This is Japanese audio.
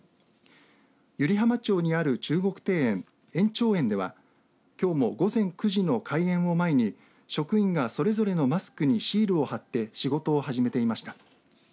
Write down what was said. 湯梨浜町にある中国庭園燕趙園では、きょうも午前９時の開園を前に職員がそれぞれのマスクにシールを貼って仕事を始めていました。